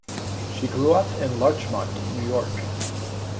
She grew up in Larchmont, New York.